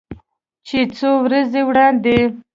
چې څو ورځې وړاندې